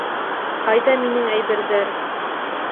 Ҡайҙа минең әйберҙәр?